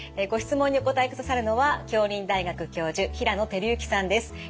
ご質問にお答えくださるのは杏林大学教授平野照之さんです。